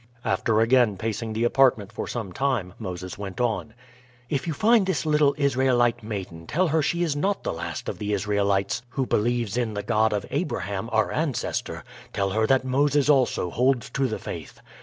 After again pacing the apartment for some time, Moses went on: "If you find this little Israelite maiden tell her that she is not the last of the Israelites who believes in the God of Abraham, our ancestor; tell her that Moses also holds to the faith.